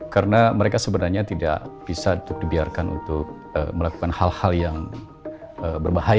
karena mereka sebenarnya tidak bisa dibiarkan untuk melakukan hal hal yang berbahaya